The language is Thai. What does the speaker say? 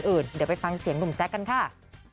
เดี๋ยวไปฟังเสียงหนุ่มซักกันค่ะ